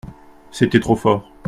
C'était trop fort.